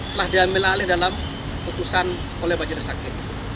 telah diambil alih dalam keputusan oleh bajir saki